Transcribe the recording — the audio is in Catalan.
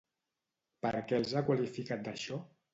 Per què els ha qualificat d'això?